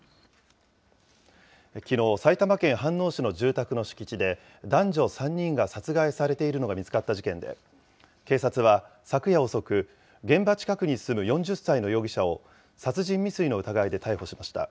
きのう、埼玉県飯能市の住宅の敷地で、男女３人が殺害されているのが見つかった事件で、警察は昨夜遅く、現場近くに住む４０歳の容疑者を、殺人未遂の疑いで逮捕しました。